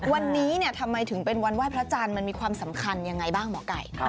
วันนี้ทำไมถึงเป็นวันไหว้พระจันทร์มันมีความสำคัญยังไงบ้างหมอไก่